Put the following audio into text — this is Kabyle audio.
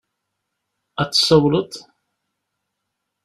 Ad d-tsawaleḍ?